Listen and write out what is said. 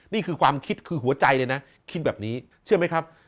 นี่คือความคิดคือหัวใจเลยนะคิดแบบนี้เชื่อไหมครับ